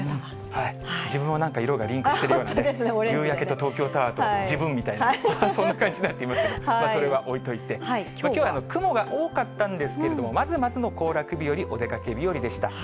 夕焼けと東京タワーと自分みたいな、そんな感じになってますけど、それは置いといて、きょうは雲が多かったんですけれども、まずまずの行楽日和、お出かけ日和でした。